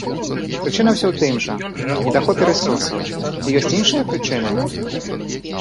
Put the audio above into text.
Прычына ўсё ў тым жа, недахопе рэсурсаў, ці ёсць іншыя прычыны?